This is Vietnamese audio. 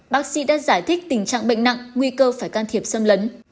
bác sĩ đã giải thích tình trạng bệnh nặng nguy cơ phải can thiệp xâm lấn